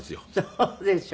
そうでしょ。